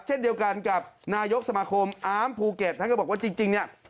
เช่นเดียวกันกับนายกสมาคมอาร์มภูเก็ตท่านก็บอกว่าจริงเนี่ย